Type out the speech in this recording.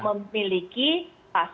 memiliki pasport papuan begini